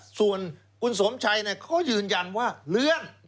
ส่วนคุณสมชัยเขายืนยันว่าเลื่อน